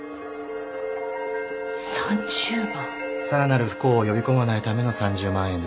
さらなる不幸を呼び込まないための３０万円です。